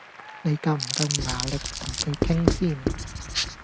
你夠唔夠牙力同佢傾先？